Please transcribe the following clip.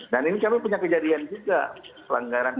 dan ini kamu punya kejadian juga pelanggaran ini